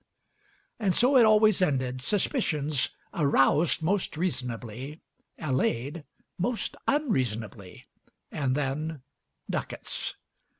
And so it always ended: suspicions, aroused most reasonably, allayed most unreasonably, and then ducats.